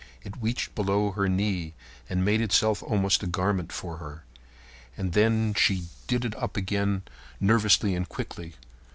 It reached below her knee and made itself almost a garment for her. And then she did it up again nervously and quickly.